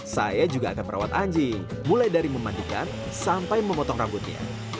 saya juga akan merawat anjing mulai dari memandikan sampai memotong rambutnya